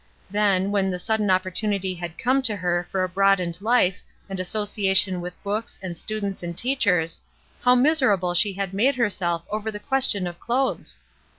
Then, when the sudden opportunity had come to her for a broadened life and association with books and students and teachers, how miser able she had made herself over the question of clothes!